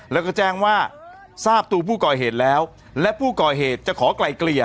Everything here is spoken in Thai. แล้วก็แจ้งว่าทราบตัวผู้ก่อเหตุแล้วและผู้ก่อเหตุจะขอไกลเกลี่ย